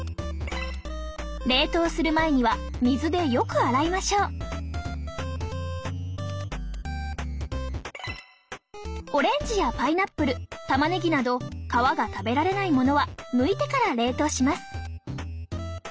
冷凍する前には水でよく洗いましょうオレンジやパイナップルたまねぎなど皮が食べられないものはむいてから冷凍します